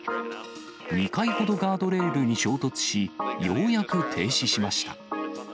２回ほどガードレールに衝突し、ようやく停止しました。